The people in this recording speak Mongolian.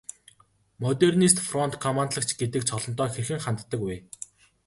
Модернист фронт командлагч гэдэг цолондоо хэрхэн ханддаг вэ?